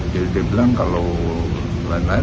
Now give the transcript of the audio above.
jadi dia bilang kalau lain lain